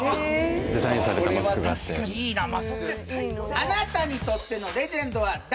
あなたにとってのレジェンドは誰？